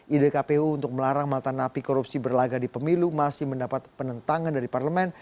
ide kpu untuk melarang mantan api korupsi berlagak di pemilu masih mendapat penentangan dari parlemen